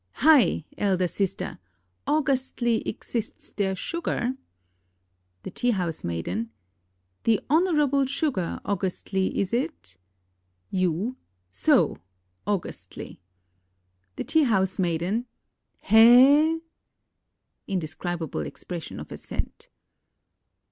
Hai, elder sister, augustly exists there sugar? The T. H. M. The honorable sugar, augustly is it? You. So, augustly. The T.H.M. He (indescribable expression of assent).